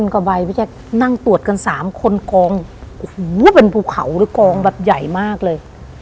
กว่าใบพี่แจ๊คนั่งตรวจกัน๓คนกองโอ้โหเป็นภูเขาหรือกองแบบใหญ่มากเลย